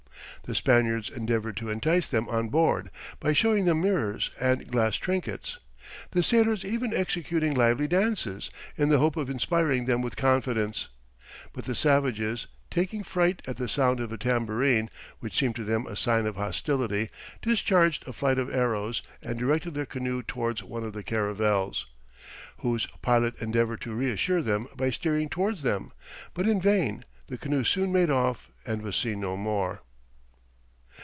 The Spaniards endeavoured to entice them on board, by showing them mirrors and glass trinkets; the sailors even executing lively dances, in the hope of inspiring them with confidence; but the savages, taking fright at the sound of a tambourine, which seemed to them a sign of hostility, discharged a flight of arrows, and directed their canoe towards one of the caravels, whose pilot endeavoured to reassure them by steering towards them; but in vain, the canoe soon made off, and was seen no more.